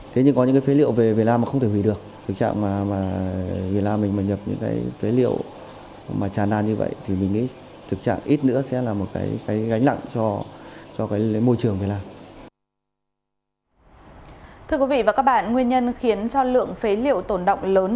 thế nhưng có những cái phế liệu về việt nam mà không thể hủy được